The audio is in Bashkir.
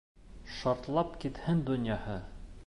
Шартлап китһен донъяһы!